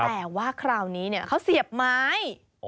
แต่ว่าคราวนี้เขาเสียบไม้